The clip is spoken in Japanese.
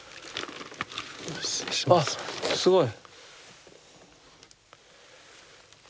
あすごい！